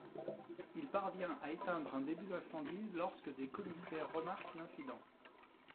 Il parvient à éteindre un début d'incendie lorsque des commissaires remarquent l'incident.